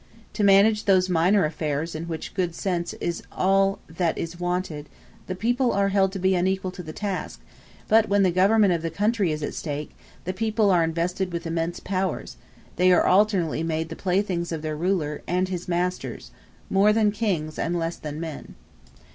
To manage those minor affairs in which good sense is all that is wanted the people are held to be unequal to the task, but when the government of the country is at stake, the people are invested with immense powers; they are alternately made the playthings of their ruler, and his masters more than kings, and less than men.